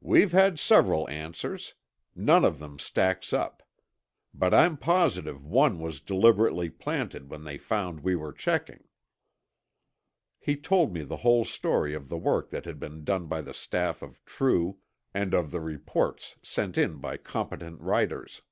"We've had several answers. None of them stacks up. But I'm positive one was deliberately planted when they found we were checking." He told me the whole story of the work that had been done by the staff of True and of the reports sent in by competent writers.